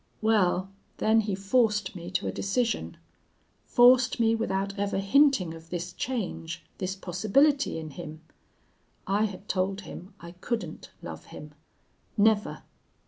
Well, then he forced me to a decision. Forced me, without ever hinting of this change, this possibility in him. I had told him I couldn't love him. Never!